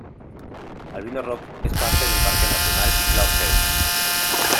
Albino Rock es parte del Parque Nacional Isla Orpheus.